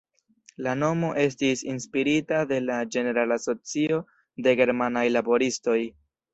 La nomo estis inspirita de la Ĝenerala Asocio de Germanaj Laboristoj.